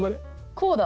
こうだ。